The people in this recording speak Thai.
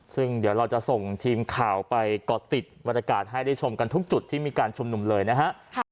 ซึ่งเดี๋ยวเราจะส่งทีมข่าวไปก่อติดบรรยากาศให้ได้ชมกันทุกจุดที่มีการชุมนุมเลยนะฮะ